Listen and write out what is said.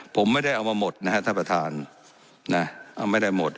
ผมไม่ได้เอามาหมดนะครับท่านประธาน